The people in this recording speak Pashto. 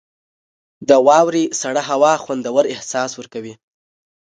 • د واورې سړه هوا خوندور احساس ورکوي.